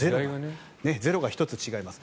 ゼロが１つ違います。